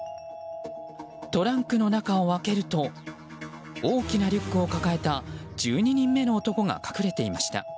トランクの中を開けると大きなリュックを抱えた１２人目の男が隠れていました。